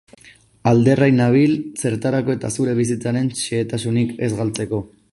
Alderrai nabil, zertarako eta zure bizitzaren xehetasunik ez galtzeko.